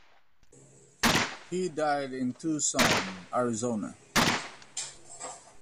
He died in Tucson, Arizona.